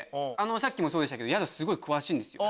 さっきもそうでしたけど宿すごい詳しいんですよ。